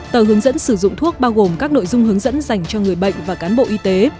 tờ hướng dẫn sử dụng thuốc bao gồm các nội dung hướng dẫn dành cho người bệnh và cán bộ y tế